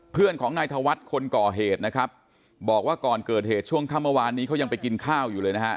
เพื่อนของนายธวัฒน์คนก่อเหตุนะครับบอกว่าก่อนเกิดเหตุช่วงค่ำเมื่อวานนี้เขายังไปกินข้าวอยู่เลยนะฮะ